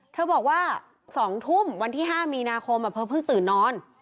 เธอบอกว่า๒ทุ่มวันที่๕มีนาคมเธอเพิ่งตื่นนอน